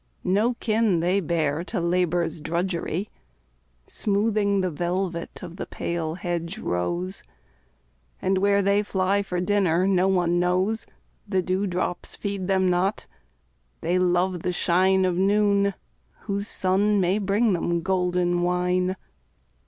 No kin they bear to labour's drudgery, Smoothing the velvet of the pale hedge rose; And where they fly for dinner no one knows The dew drops feed them not they love the shine Of noon, whose sun may bring them golden wine.